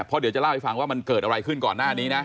เพราะเดี๋ยวจะเล่าให้ฟังว่ามันเกิดอะไรขึ้นก่อนหน้านี้นะ